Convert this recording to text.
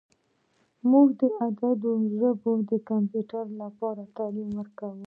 موږ د عددونو ژبه د کمپیوټر لپاره تعلیم ورکوو.